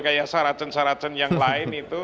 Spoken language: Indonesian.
kayak saracen saracen yang lain itu